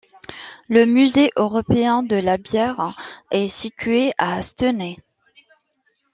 Le musée européen de la bière est situé à Stenay.